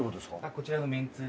こちらのめんつゆ。